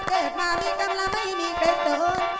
เกิดมามีกรรมและไม่มีใครส่วน